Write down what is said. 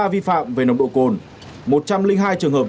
về nồng độ cồn một trăm linh hai trường hợp